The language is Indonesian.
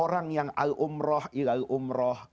orang yang al umrah ila'l umrah